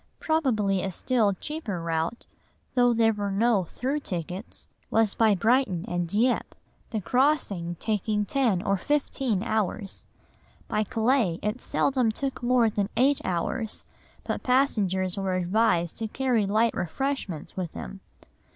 Probably a still cheaper route, though there were no through tickets, was by Brighton and Dieppe, the crossing taking ten or fifteen hours. By Calais it seldom took more than eight hours, but passengers were advised to carry light refreshments with them.